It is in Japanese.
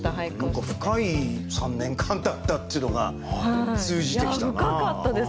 何か深い３年間だったっていうのが通じてきたな。